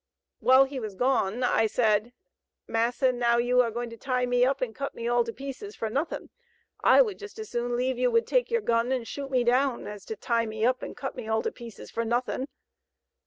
While he was gone I said, 'Massa, now you are going to tie me up and cut me all to pieces for nothing. I would just as leave you would take your gun and shoot me down as to tie me up and cut me all to pieces for nothing.'